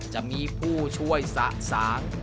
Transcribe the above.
จะมีผู้ช่วยสะสาง